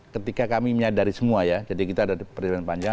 ketika kami menyadari semua ya jadi kita ada perjalanan panjang